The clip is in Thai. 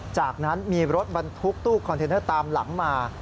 จากนั้นมีรถบรรทุกตู้คอนเทนเนอร์ตามหลังมา